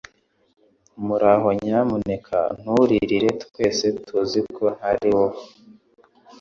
Muraho Nyamuneka nturirire Twese tuzi ko ntari wowe